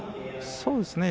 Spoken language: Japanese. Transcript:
そうですね。